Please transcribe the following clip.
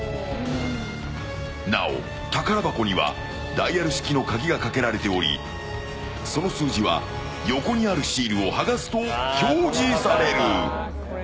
なお、宝箱にはダイヤル式の鍵がかけられておりその数字は、横にあるシールを剥がすと表示される。